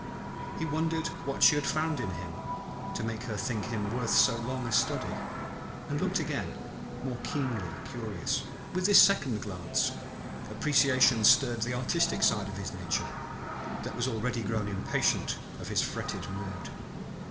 He wondered what she had found in him to make her think him worth so long a study; and looked again, more keenly curious. With this second glance, appreciation stirred the artistic side of his nature, that was already grown impatient of his fretted mood.